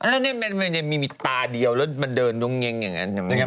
แล้วนี่มันจะมีตาเดียวแล้วมันเดินตรงอย่างงี้อย่างงั้น